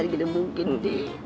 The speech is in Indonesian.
gak mungkin di